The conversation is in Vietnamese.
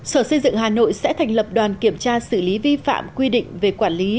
sở xây dựng hà nội sẽ thành lập đoàn kiểm tra xử lý vi phạm quy định về quản lý